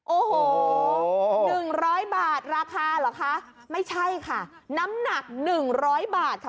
โอ้โหหนึ่งร้อยบาทราคาเหรอคะไม่ใช่ค่ะน้ำหนักหนึ่งร้อยบาทค่ะ